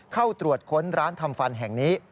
เข้าตรวจค้นร้านทำฟันแห่งนี้